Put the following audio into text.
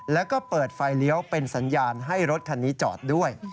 แล้วก็เปิดไฟเลี้ยวเป็นสัญญาณให้รถคันนี้จอดด้วย